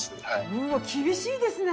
うわ厳しいですね！